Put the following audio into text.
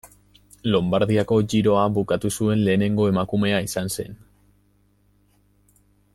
Lonbardiako Giroa bukatu zuen lehenengo emakumea izan zen.